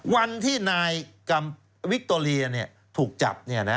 วันที่นายวิคโตเรียถูกจับ